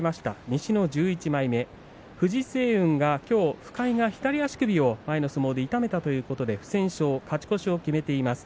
西の１１枚目藤青雲がきょう深井が左の足首を痛めたということで不戦勝、勝ち越しです。